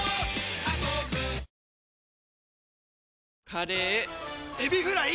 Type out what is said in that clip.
カレーエビフライ！